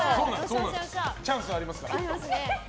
チャンスありますから。